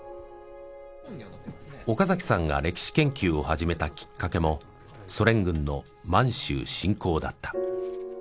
岡崎さんが歴史研究を始めたきっかけもソ連軍の満州侵攻だった。